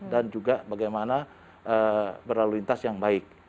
dan juga bagaimana berlalu lintas yang baik